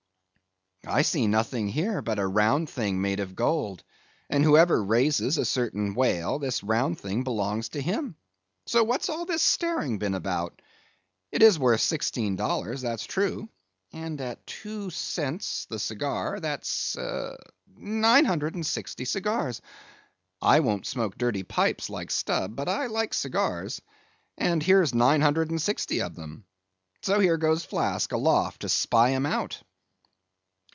"I see nothing here, but a round thing made of gold, and whoever raises a certain whale, this round thing belongs to him. So, what's all this staring been about? It is worth sixteen dollars, that's true; and at two cents the cigar, that's nine hundred and sixty cigars. I won't smoke dirty pipes like Stubb, but I like cigars, and here's nine hundred and sixty of them; so here goes Flask aloft to spy 'em out."